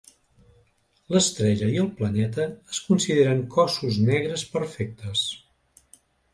L'estrella i el planeta es consideren cossos negres perfectes.